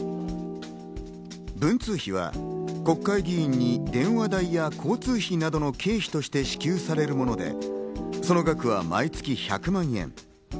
文通費は国会議員に電話代や交通費などの経費として支給されるもので、その額は毎月１００万円。